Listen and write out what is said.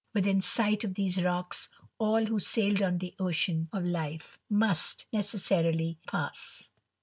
Within sight of these rocks all who sailed on the ocean of life must necessarily pass.